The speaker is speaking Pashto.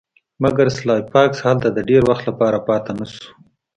مګر سلای فاکس هلته د ډیر وخت لپاره پاتې نشو